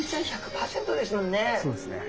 そうですね。